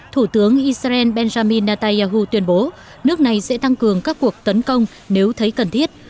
thủ tướng israel benjamin netanyahu tuyên bố nước này sẽ tăng cường các cuộc tấn công nếu thấy cần thiết